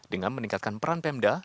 dengan meningkatkan peran pemda